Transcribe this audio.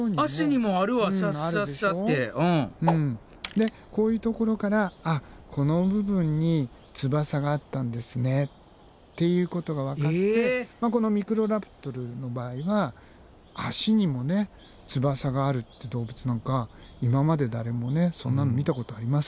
でこういうところからあっこの部分に翼があったんですねっていうことがわかってこのミクロラプトルの場合は足にも翼があるって動物なんか今まで誰もそんなの見たことありません。